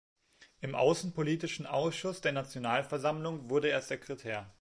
Im außenpolitischen Ausschuss der Nationalversammlung wurde er Sekretär.